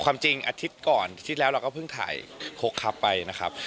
ความจริงอาทิตย์ก่อนอาทิตย์แล้วเราก็เพิ่งถ่ายคกครับไปนะครับ